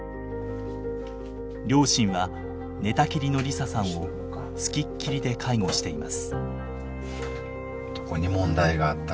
両親は寝たきりの梨沙さんを付きっきりで介護しています。